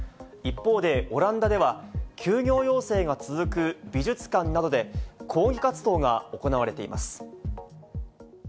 一方で、オランダでは、休業要請が続く美術館などで、抗議活動が行われています。